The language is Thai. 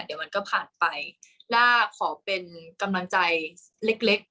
เดี๋ยวมันก็ผ่านไปล่าขอเป็นกำลังใจเล็กเล็ก